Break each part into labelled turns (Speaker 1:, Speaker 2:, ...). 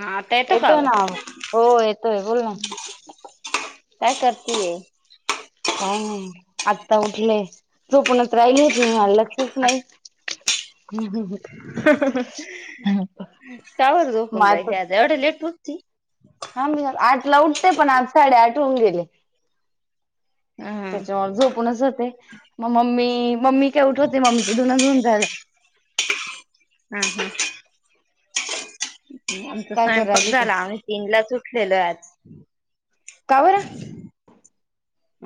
Speaker 1: हा आता येतो का
Speaker 2: येतोय ना आवाज हो येतोय बोल ना
Speaker 1: काय करतीये?
Speaker 2: काय नाही आत्ता उठले झोपूनच राहिले होती मी मला लक्षच नाही
Speaker 1: काबरं
Speaker 2: मग
Speaker 1: झोपून राहिली आज एवढ्या लेट उठती
Speaker 2: हां मी आठ ला उठते पण आज साडे आठ होऊन गेले
Speaker 1: हा हा
Speaker 2: त्याच्यामुळे झोपूनच होते मग मम्मी मम्मी का उठवत नाही मम्मीचं धुण धुऊन झालं
Speaker 1: हम हम आमचा
Speaker 2: काय करू
Speaker 1: स्वयंपाक
Speaker 2: राहिली तू
Speaker 1: झाला आम्ही तीनलाच उठलेलो ये आज
Speaker 2: का बरं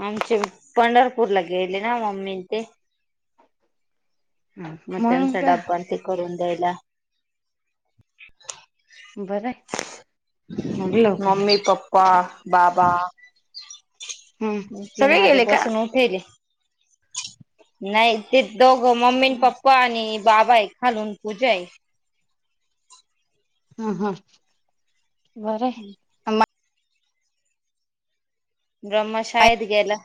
Speaker 1: आमचे पंढरपूरला गेले ना मम्मी न ते मग
Speaker 2: म्हणून
Speaker 1: त्यांचा
Speaker 2: का
Speaker 1: डब्बा न ते करून द्यायला
Speaker 2: बरं आहे म्हणलं लवकर
Speaker 1: मम्मी पप्पा बाबा
Speaker 2: हम्म
Speaker 1: म तीन
Speaker 2: सगळे गेले का
Speaker 1: वाजेपसून उठेले नाही ते दोघं मम्मीन
Speaker 2: ह
Speaker 1: पप्पा ्पा आणि बाबा ए खालून पूजाये
Speaker 2: हम ह बरं आहे
Speaker 1: ब्रह्म शाळेत गेला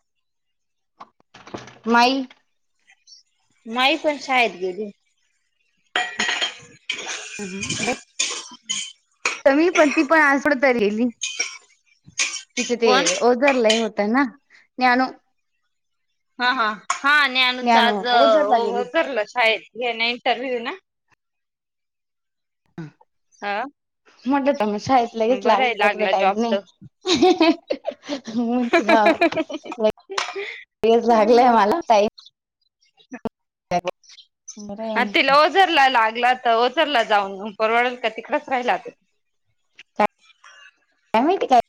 Speaker 2: माई
Speaker 1: माई पण शाळेत गेलीये
Speaker 2: ह हम ब. तर ममी पण ती पण आजथोड तरी गली तिथ ते.
Speaker 1: कोण?
Speaker 2: होारलाय होत ना नानु.
Speaker 1: हा हा हा आणि अनुच
Speaker 2: ज्ञानू
Speaker 1: आज
Speaker 2: ओझरला गेली
Speaker 1: करलं शाळेत घ ना इंटरव्ह्यू ना. हा
Speaker 2: मट तमशालंच
Speaker 1: बरं
Speaker 2: लागले
Speaker 1: आहे
Speaker 2: का थोड
Speaker 1: लागला जॉब
Speaker 2: टाइम नाही.
Speaker 1: तर
Speaker 2: हा लागलंय मला. हो
Speaker 1: ह तिला ओझरला लागला तर ओझरला जाऊन परवडल का तिकडच राहिला ते.
Speaker 2: त्या का.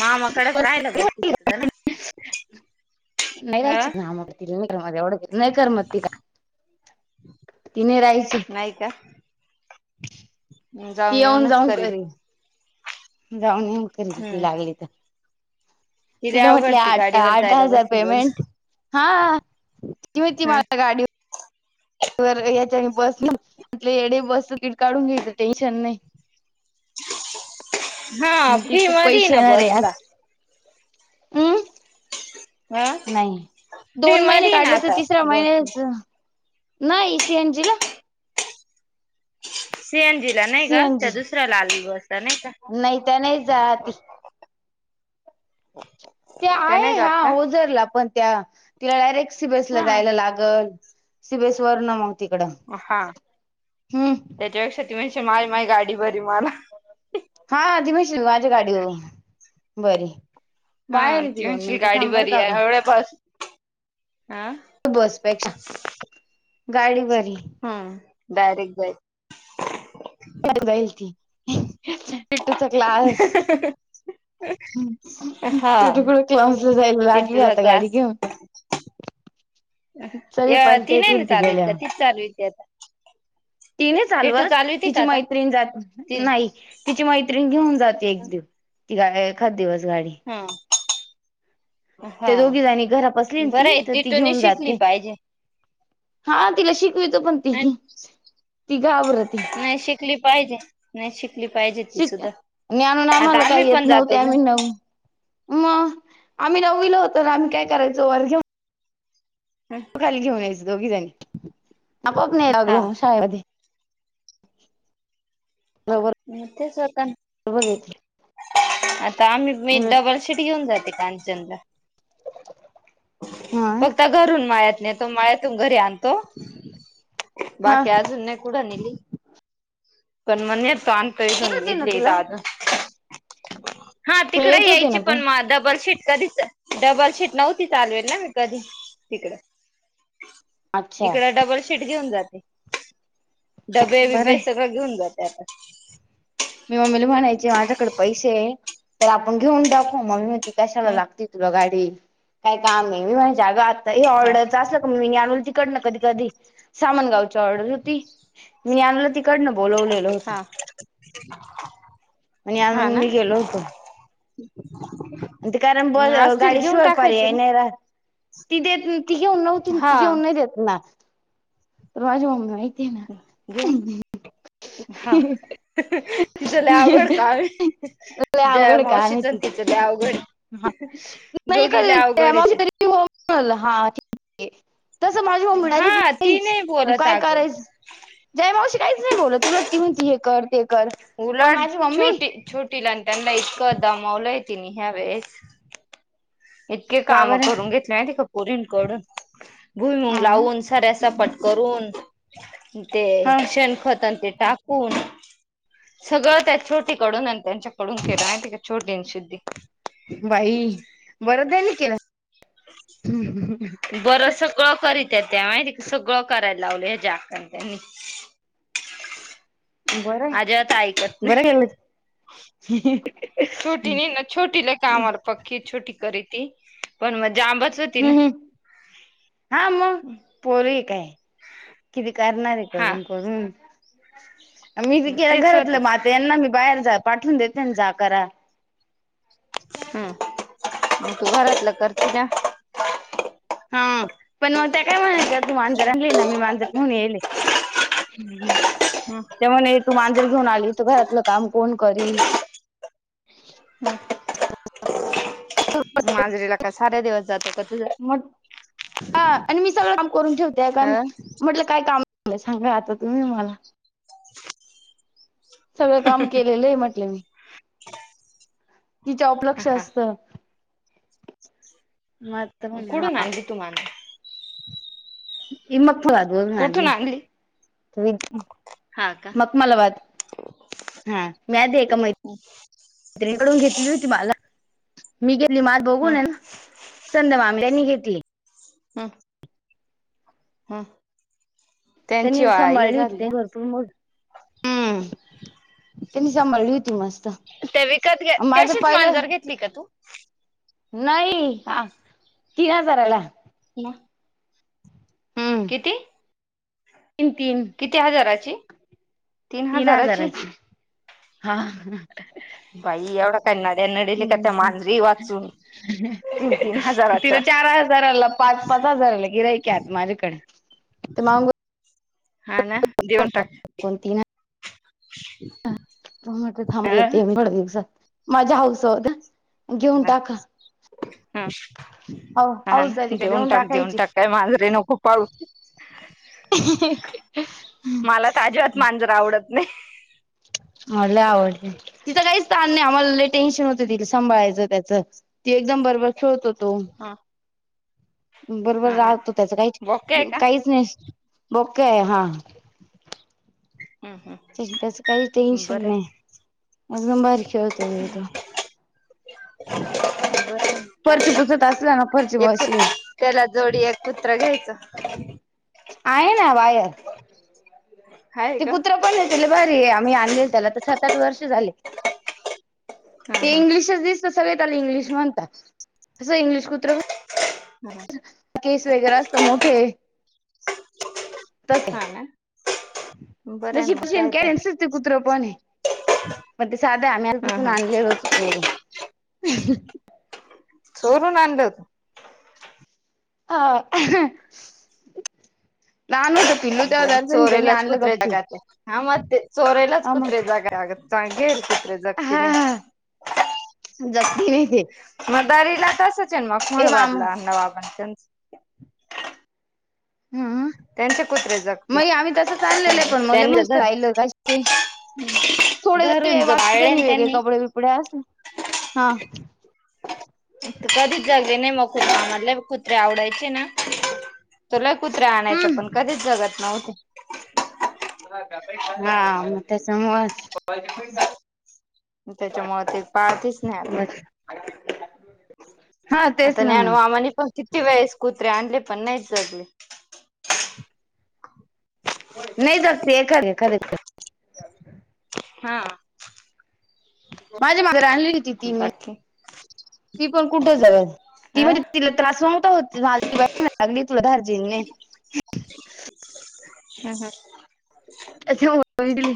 Speaker 1: मामाकडच राहिला बेसती तिकडं ना.
Speaker 2: नाही
Speaker 1: ह
Speaker 2: राहायची नाम म एवढं नाही करमत.
Speaker 1: [inaudible]
Speaker 2: तिने राहायची.
Speaker 1: नाही का
Speaker 2: ती
Speaker 1: जाऊन
Speaker 2: येऊन
Speaker 1: येऊनच
Speaker 2: जाऊन
Speaker 1: करेील.
Speaker 2: करील जाऊन ये करील ती
Speaker 1: हम्म
Speaker 2: लागली तर. तिने
Speaker 1: तिला
Speaker 2: म्हटले
Speaker 1: अवघड ती
Speaker 2: आठ
Speaker 1: गाडीवर
Speaker 2: आठ
Speaker 1: जायला
Speaker 2: हजार
Speaker 1: बसली रोज
Speaker 2: पेमेंट. हा त होती
Speaker 1: ह
Speaker 2: मला गाडीवर. याच्याने बस न आपले एडे बसचं किट काढून घ्यायचं टेन्शन नाही.
Speaker 1: हा
Speaker 2: मग ते
Speaker 1: फ्री
Speaker 2: खूप
Speaker 1: मध्ये
Speaker 2: पैसे
Speaker 1: ना
Speaker 2: येणार आहे
Speaker 1: बसला
Speaker 2: आज. हम्म
Speaker 1: ह
Speaker 2: नाही
Speaker 1: फ्री
Speaker 2: दोन महिने
Speaker 1: मध्ये ना
Speaker 2: काढले तर
Speaker 1: आता
Speaker 2: तिसऱ्या
Speaker 1: बस
Speaker 2: महिन्या नाही सीएन जी ला.
Speaker 1: सीएनजी ला नाही का
Speaker 2: सीएनजी
Speaker 1: त्या दुसऱ्या लालवि ब असला नाही का.
Speaker 2: नाही तर नाही जा ती.
Speaker 1: [inaudible]
Speaker 2: त्या
Speaker 1: नाही
Speaker 2: आहे हा
Speaker 1: जात का
Speaker 2: ओझरला पण त्या तिला डायरेक्ट सी बसला
Speaker 1: हा
Speaker 2: जायला लागल. सी बी एस वरण.
Speaker 1: हा त्याच्यापेक्षा ती म्हणजे माय माय गाडी बरी मला.
Speaker 2: हा दिमश माझ्या गाडी बरी.
Speaker 1: हा
Speaker 2: बाहेर ती दोन
Speaker 1: म्हणशील
Speaker 2: मिनटं
Speaker 1: गाडी
Speaker 2: थांबर
Speaker 1: बरी
Speaker 2: का का.
Speaker 1: आहे एवढ्या पास हा.
Speaker 2: त बसपेक्षा गाडी बरी.
Speaker 1: हम्म डारेक्ट जाय.
Speaker 2: जाईल तूचा क्लास.
Speaker 1: हा
Speaker 2: तेवढ कुठ क्लामसला जायला लागली
Speaker 1: टिटूला
Speaker 2: आता गाडी
Speaker 1: क्लास
Speaker 2: घेऊन. चल
Speaker 1: या ती नाही ना
Speaker 2: पंचायतीवरलती
Speaker 1: चालू आहेत
Speaker 2: गेल्या.
Speaker 1: का तीच चालू होती आता
Speaker 2: तिने चालव
Speaker 1: टिटू चालूती का
Speaker 2: तिची
Speaker 1: आता
Speaker 2: मैत्रिण जात
Speaker 1: ती
Speaker 2: नाही. तिची मैत्रीिणी घेऊन जाते एक दिव तीा एखाद दिवस गाडी.
Speaker 1: हा हा
Speaker 2: ते दोघी जणी घरापसली ती
Speaker 1: बरं आहे
Speaker 2: तर ती
Speaker 1: टिटूनी
Speaker 2: घेऊन
Speaker 1: शिकली
Speaker 2: जाते.
Speaker 1: पाहिजे
Speaker 2: हा तिला शिकवितो पण ती
Speaker 1: नाही
Speaker 2: ती घाबरती.
Speaker 1: नाही शिकली पाहिजे नाही शिकली पाहिजे ती
Speaker 2: शिक
Speaker 1: सुद्धा
Speaker 2: आणून आम्हाला
Speaker 1: आता आम्ही
Speaker 2: काही येत
Speaker 1: पण
Speaker 2: नव्हते
Speaker 1: जातो ग.
Speaker 2: आम्ही नऊ मग आम्ही नवल होतो आम्ही काय करायचो घेऊ.
Speaker 1: हम
Speaker 2: खाली घेऊन यायचं दोघी जणी ना पप नाही
Speaker 1: हा
Speaker 2: लागलोग शाळेमध्ये. [inaudible]
Speaker 1: म तेे सरका.
Speaker 2: तु बजा येते.
Speaker 1: आता आम्ही, मी डबल शीट घेऊन जाते कांचनला.
Speaker 2: हा
Speaker 1: फक्त घरून माळ्यात नेतो, मळ्यातुन घरी आणतो.
Speaker 2: हा
Speaker 1: बाकी अजून नाही कुड नीली, पण मग नेतो
Speaker 2: येत होते
Speaker 1: आम्ही.
Speaker 2: ना
Speaker 1: [inaudible]
Speaker 2: तुला
Speaker 1: हा
Speaker 2: तू
Speaker 1: तिकड
Speaker 2: येत होते
Speaker 1: यायची,
Speaker 2: ना
Speaker 1: पण म डबल शिट कधीच डबल शीट नव्हती चालवेल ना, मी कधी तिकड
Speaker 2: अच्छा
Speaker 1: इकड डबल शीट घेऊन जाते,
Speaker 2: बरं
Speaker 1: डबे-बिबे
Speaker 2: आहे
Speaker 1: सगळं घेऊन जाते. ते आता
Speaker 2: मी मम्मीला म्हणायची माझ्याकड पैसे ये, तर आपण घेऊन टाकू, मम्मी म्हणायची कशाला
Speaker 1: हम्म
Speaker 2: लागती तुला गाडी? काय कामे? मी मम्हणायची अग आता ह्या
Speaker 1: हा
Speaker 2: ऑर्डरच अस मी आणलं तिकडन कधी-कधी, सामान गावची ऑर्डर होती, मी आणल ती तीकडनं बोलवलेलं होतं.
Speaker 1: ह [inaudible]
Speaker 2: आणि आणून मी गेलो होतो.
Speaker 1: [inaudible]
Speaker 2: ते कारण ब
Speaker 1: असतील
Speaker 2: गाडी
Speaker 1: घेऊन
Speaker 2: शिवा्य
Speaker 1: टाकायचे
Speaker 2: पर्याय नही
Speaker 1: ना
Speaker 2: रा ती देत, ती घेऊन नव्हती, ती
Speaker 1: हा
Speaker 2: घेऊन नहि देत ना. तुला माझी मम्मी माहिती ना?
Speaker 1: घेऊन हा, हं ह तिच लइ अवगड कामे.
Speaker 2: लय
Speaker 1: जया
Speaker 2: अवघड काम आहे
Speaker 1: मावशीचन, तिचं लइ अवघड आहे.
Speaker 2: [unintelligible] [inaudible]
Speaker 1: दोघी लय अवघड आहे त्या
Speaker 2: तसं माझी मम्मी डायरेक्ट
Speaker 1: हा ती
Speaker 2: नाहीच,
Speaker 1: नाही बोलत
Speaker 2: काय
Speaker 1: अगं
Speaker 2: करायचं? जया मावशी काहीच नही बोलत, उलट ती म्हणते हे कर, ते कर. पण
Speaker 1: उलट
Speaker 2: माझी मम्मी
Speaker 1: छोटी-छोटीलान त्यांना इतकं दमावलंय तिनी यावेळेस इतके
Speaker 2: का
Speaker 1: काम
Speaker 2: बरं
Speaker 1: करून घेतले माहिती का पुरींकडून भुईमग
Speaker 2: अं
Speaker 1: लावून सऱ्यासपाट करून, ते
Speaker 2: हा
Speaker 1: शेण खतन ते टाक ऊन, सगळं त्या छोटीकडून अन त्यांच्याकडून केलं, माहितीका? छोट [unintelligible] दिन शुद्धी
Speaker 2: बाई बरं त्यांनी केल हं हन
Speaker 1: बरं सगळं करीत्या त्या माहितीका, सगळं करायला लावल ह्या जया अक्कानं त्यांनी.
Speaker 2: बरंय
Speaker 1: अजिबात ऐकत नाही
Speaker 2: बर लगेच
Speaker 1: छोटीनीना छोटी लई कामाला पक्की, छोटी करिती, पण म जांब
Speaker 2: हम् हा मग पोरगी काय, किती करना रे
Speaker 1: हा
Speaker 2: करून-करून, मी बी
Speaker 1: मग
Speaker 2: केलं
Speaker 1: तेच होत
Speaker 2: घरातलं म आता यांना मी बाहेर जात पाठवून देतेना जा करा.
Speaker 1: हम् मग तू घरातलं करती ना?
Speaker 2: हन, पण मग त्या काय म्हणायच्या तू मांजर आणली ना, मी मांजर घेऊन येयेले. हम हम
Speaker 1: हम्म
Speaker 2: त्या म्हणे, तू मांजर घेऊन आली तर घरातलं काम कोण करील?
Speaker 1: मांजरीला का साऱ्या दिवस जातो का तुझा?
Speaker 2: म हा आणि मी सगळं काम करून ठेवते, आता
Speaker 1: अ
Speaker 2: म्हटलं काय काम? म्ह्हंटल सांगा आता तुम्ही मला सगळं काम केलेलं ये म्हटले मी. तिच्याप लक्ष
Speaker 1: हा
Speaker 2: असत.
Speaker 1: कुडून आणली तू मांजर?
Speaker 2: इमकबाद वरून आणली. [unintelligible]
Speaker 1: हा का
Speaker 2: मकमालाबाद हा नाय ते एका मैत
Speaker 1: [unintelligible]
Speaker 2: रीकडून घेतली होती माला मी गेली माझ
Speaker 1: हम्म
Speaker 2: बघून ये ना संमद मामल्यांनी घेतली.
Speaker 1: ह हा
Speaker 2: त्यानीं तर सांभाळली होती त्यांनी भरपूर मोड हम्म त्यांनी सांभाळली होती मस्त
Speaker 1: ते विकत घे
Speaker 2: अ माझं
Speaker 1: तशीच
Speaker 2: पहिलं
Speaker 1: मांजर घेतली का तू
Speaker 2: नाही हा अ तीन हजारयला
Speaker 1: ना
Speaker 2: हम्म
Speaker 1: किती?
Speaker 2: तीन तीन
Speaker 1: किती हजाराची
Speaker 2: तीन हजाराची हा हम्
Speaker 1: बाई एवढा काय नड्या नडेल का त्या
Speaker 2: हम्म अ
Speaker 1: मांजरी वाचून तीन तीन
Speaker 2: तिकड
Speaker 1: हजाराच्या
Speaker 2: चार हजारला पाच पाच हजाराला गिर्‍हाईक आत माझ्याकडे त मागूत
Speaker 1: हा ना देऊन टाक.
Speaker 2: कोण ती ना
Speaker 1: [unintelligible]
Speaker 2: अ ह ते थांबलेत एवढे दिवसात माझा हौसा होत घेऊन टाका.
Speaker 1: हा
Speaker 2: हो
Speaker 1: हा
Speaker 2: हौस झाली
Speaker 1: ना
Speaker 2: का
Speaker 1: देऊन टाक देऊन
Speaker 2: टाकायची
Speaker 1: टाक काय मांजरी नको पाळु. मला तर
Speaker 2: [unintelligible]
Speaker 1: अजिबात मांजर आवडत नाय.
Speaker 2: मला लय आवडते तिच काहीच ताण नाही आम्हाला लय टेन्शन होत ती सांभाळायचं त्याचं ती एकदम बरोबर खेळत होतो.
Speaker 1: हा
Speaker 2: बरोबर
Speaker 1: ना
Speaker 2: राहतो त्याच काय
Speaker 1: बोके आहे का
Speaker 2: काहीच नाही बोकळ ये हा [unintelligible]
Speaker 1: अहं
Speaker 2: तिज त्याच काहीचं टेन्शन नाय एदम भारी खेळतो बिळतो. फरची पुसत असला ना
Speaker 1: [unintelligible]
Speaker 2: फरची
Speaker 1: एक कुत
Speaker 2: मशीन
Speaker 1: त्याला जोडी एक कुत्र घ्यायच.
Speaker 2: आहे ना बायर
Speaker 1: हाय
Speaker 2: ते
Speaker 1: का
Speaker 2: कुत्र पण ये ते लय भारी ये आम्ही आणलेल त्याला त सात आठ वर्ष झालेत. ते
Speaker 1: हा
Speaker 2: इंग्लिशच दिसत सगळे त्याला इंग्लिश म्हणता अस इंग्लिश कुत्र
Speaker 1: [unintelligible]
Speaker 2: केस वगैरे असत मोठे तसय
Speaker 1: हा ना बरं आहे मग काय तर
Speaker 2: जशी [unintelligible] कुत्र पण ये पण ते साध ये आम्ही
Speaker 1: ह
Speaker 2: तिथून
Speaker 1: ह
Speaker 2: आणलेल होत चोरून [unintelligible]
Speaker 1: चोरून आणलं होतं.
Speaker 2: हा आणू द
Speaker 1: बर चोरेलाच कुत्रे जगाते हा म चोरेलाच
Speaker 2: हा मग
Speaker 1: कुत्रे जगा लागते. [unintelligible] जगती नयी
Speaker 2: ह [unintelligible]
Speaker 1: मदारी ला तसचयन म
Speaker 2: ए
Speaker 1: [unintelligible]
Speaker 2: मामा
Speaker 1: त्याच
Speaker 2: हम्
Speaker 1: त्यांचे कुत्रे जगतील
Speaker 2: मग आम्ही तस आणलेलंय, पण लय
Speaker 1: त्यांनी
Speaker 2: मस्त
Speaker 1: घर
Speaker 2: राहयलं [unintelligible] का थोडेच
Speaker 1: घरून पाळले
Speaker 2: बाकीनी
Speaker 1: ना
Speaker 2: वेगळे
Speaker 1: त्यांनी
Speaker 2: कपडे बिपडे असतील हा
Speaker 1: कधीच जगले नाही मग कुत्र म्हटले कुत्रे आवडायचे ना तर लय कुत्रे आणायचा
Speaker 2: हम्म.
Speaker 1: पण कधीच जगत नव्हते
Speaker 2: हा मग त्याच्यामुळचं
Speaker 1: त्याच्यामुळं ते पाळतीच नाही आम्ही
Speaker 2: आ [inaudible]
Speaker 1: आता न्यानु मामानी पण किती वळेस कुत्रे आणले, पण नाहीच जगले.
Speaker 2: नाही जगती एखादं एखाद्याचत
Speaker 1: हा
Speaker 2: माझ्या मागं राणली
Speaker 1: बाकी
Speaker 2: ती पण कुठ जगल ती
Speaker 1: अ
Speaker 2: म्हणजे तिला त्रास नव्हता होत [unintelligible] ती बाई म्हणाय लागली तुला धारजीन नायी
Speaker 1: हम् हम
Speaker 2: अस वाटून [unintelligible] गेली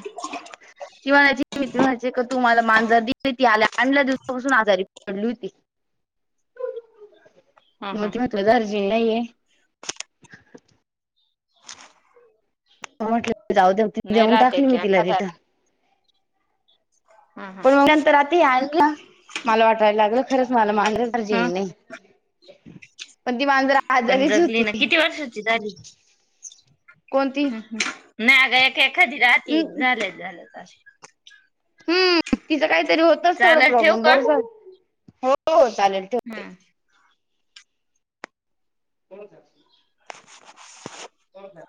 Speaker 2: [unintelligible] म्हणायचे का तू मला मांजर दिली ती आणल्या दिवसापासून आजारी पडली होती.
Speaker 1: ह
Speaker 2: म
Speaker 1: ह
Speaker 2: तुला म्हटलं धार्जिन नाहीेय मं म्हटलं जाऊदे.
Speaker 1: नाही
Speaker 2: देऊन
Speaker 1: राहते
Speaker 2: टाकली
Speaker 1: की
Speaker 2: मी तिला रिटर्न
Speaker 1: एखाद्याला हा
Speaker 2: पण मग नंतर आता आणलं. मला वाटायला लागल खरंच मला मांजर
Speaker 1: हा
Speaker 2: धार्जिण नाहीय. पण ती माांजरा
Speaker 1: पण
Speaker 2: आजारीच
Speaker 1: जगली ना
Speaker 2: होती
Speaker 1: किती वर्षाची झाली
Speaker 2: कोणती?
Speaker 1: नाही ग एक एखादी राहती
Speaker 2: हम्म
Speaker 1: झालंच झालंय
Speaker 2: हम्म तिचं काहीतरी होतच थोडा
Speaker 1: चालेल ठेवू
Speaker 2: प्रॉब्लेम
Speaker 1: का
Speaker 2: बर झालं हो चालेल ठेव
Speaker 1: हं
Speaker 2: कोणच्या हातची?
Speaker 1: [inaudible]
Speaker 2: हो हा. [inaudible]